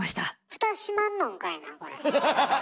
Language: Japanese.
蓋閉まんのんかいなこれ。